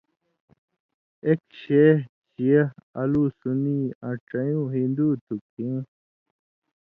اېک شے (شیعہ)، الُو سُنی آں ڇَیؤں ہِندُو تُھو کھیں